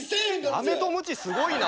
アメとムチすごいな。